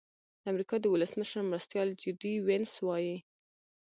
د امریکا د ولسمشر مرستیال جي ډي وینس وايي.